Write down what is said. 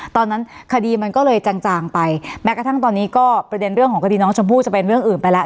ตอนนั้นคดีมันก็เลยจางจางไปแม้กระทั่งตอนนี้ก็ประเด็นเรื่องของคดีน้องชมพู่จะเป็นเรื่องอื่นไปแล้ว